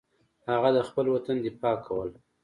هغه د خپل وطن دفاع کوله.